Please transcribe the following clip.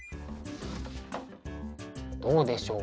どうでしょう？